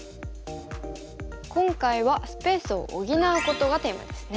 今回はスペースを補うことがテーマですね。